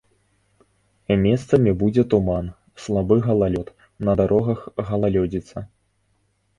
Месцамі будзе туман, слабы галалёд, на дарогах галалёдзіца.